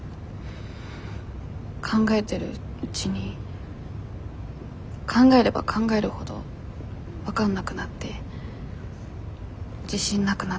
考えてるうちに考えれば考えるほど分かんなくなって自信なくなって。